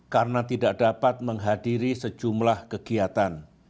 karena tidak dapat menghadiri sejumlah kegiatan